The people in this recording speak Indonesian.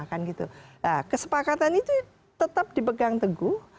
nah kesepakatan itu tetap dipegang teguh